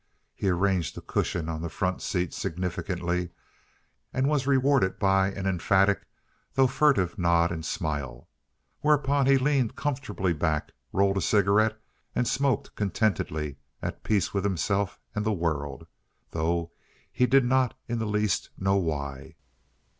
He arranged the cushion on the front seat significantly, and was rewarded by an emphatic, though furtive, nod and smile. Whereupon he leaned comfortably back, rolled a cigarette and smoked contentedly, at peace with himself and the world though he did not in the least know why.